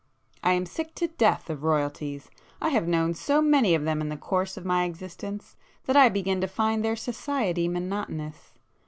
I am sick to death of Royalties,—I have known so many of them in the course of my existence that I begin to find their society monotonous.